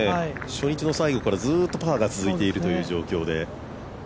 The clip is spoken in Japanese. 初日の最後からずっとパーが続いているという状況で。